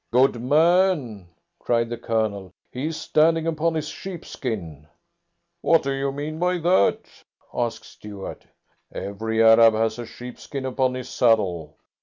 "Good man!" cried the Colonel. "He is standing upon his sheepskin." "What do you mean by that?" asked Stuart. "Every Arab has a sheepskin upon his saddle.